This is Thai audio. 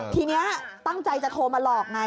ทีนี้ตั้งใจจะโทรมาหลอกไง